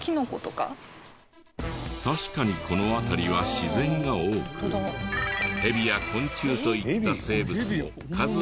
確かにこの辺りは自然が多く蛇や昆虫といった生物も数多く生息する。